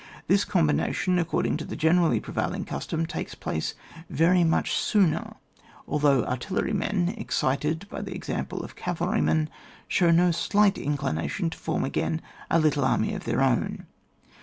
This combination, according to the generally prevailing custom, takes place very much sooner, although artillerymen, excited by the example of cavalrymen, show no slight inclination to form again a little army of their own.